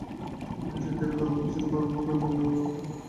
অধিকাংশ ক্ষেত্রেই ঘরোয়া কিছু উপায় অবলম্বন করে বমি বমি ভাব দূর করার যায়।